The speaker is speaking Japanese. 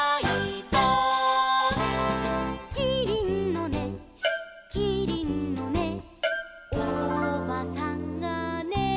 「キリンのねキリンのねおばさんがね」